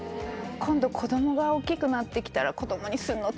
今度子供が大きくなってきたらああ